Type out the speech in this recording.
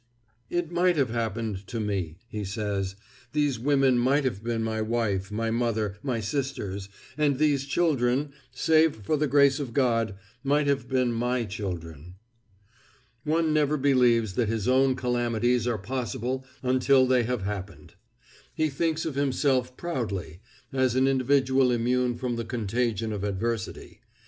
"It might have happened to me," he says; "these women might have been my wife, my mother, my sisters, and these children, save for the grace of God, might have been my children." One never believes that his own calamities are possible until they have happened. He thinks of himself proudly, as an individual immune from the contagion of adversity.